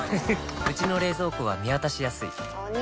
うちの冷蔵庫は見渡しやすいお兄！